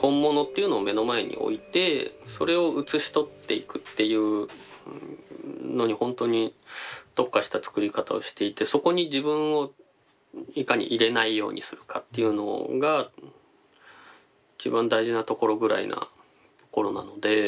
本物というのを目の前に置いてそれを写し取っていくっていうのにほんとに特化した作り方をしていてそこに自分をいかに入れないようにするかっていうのが一番大事なところぐらいなところなので。